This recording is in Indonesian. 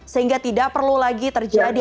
sehingga tidak perlu lagi terjadi